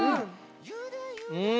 うん。